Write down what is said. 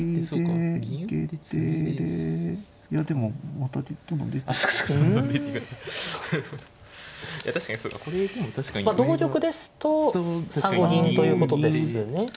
そうですね